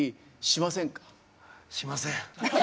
しません。